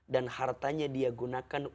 dan hartanya dia gunakan